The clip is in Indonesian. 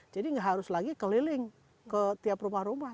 jadi nggak harus lagi keliling ke tiap rumah rumah